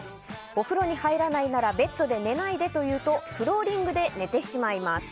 お風呂に入らないならベッドで寝ないでと言うとフローリングで寝てしまいます。